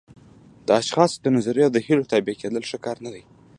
د اشخاصو د نظریو او هیلو تابع کېدل ښه کار نه دی.